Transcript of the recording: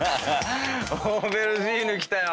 オーベルジーヌきたよ。